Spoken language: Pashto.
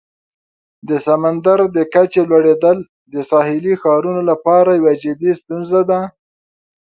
د سمندر د کچې لوړیدل د ساحلي ښارونو لپاره یوه جدي ستونزه ده.